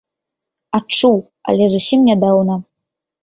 Адчуў, але зусім нядаўна.